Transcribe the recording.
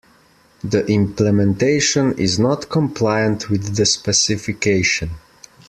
The implementation is not compliant with the specification.